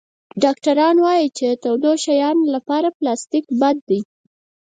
ډاکټران وایي چې د تودو شیانو لپاره پلاستيک بد دی.